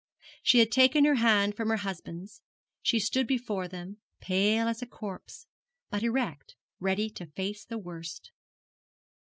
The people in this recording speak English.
She had taken her hand from her husband's she stood before them, pale as a corpse, but erect, ready to face the worst.